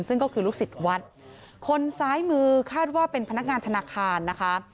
ซึ่งก็คือลูกศิษย์วัดคนซ้ายมือคาดว่าเป็นพนักงานธนาคารนะคะ